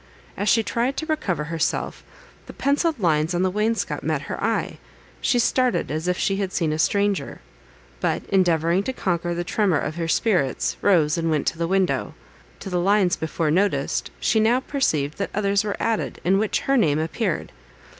As she tried to recover herself, the pencilled lines on the wainscot met her eye; she started, as if she had seen a stranger; but, endeavouring to conquer the tremor of her spirits, rose, and went to the window. To the lines before noticed she now perceived that others were added, in which her name appeared.